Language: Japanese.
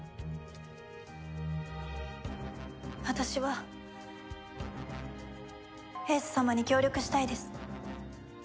私は英寿様に協力したいです。